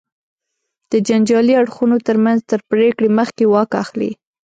د جنجالي اړخونو تر منځ تر پرېکړې مخکې واک اخلي.